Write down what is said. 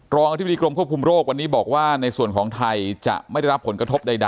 อธิบดีกรมควบคุมโรควันนี้บอกว่าในส่วนของไทยจะไม่ได้รับผลกระทบใด